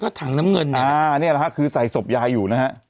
ถังน้ำเงินอ่านี่แหละฮะคือใส่ศพยายอยู่นะฮะ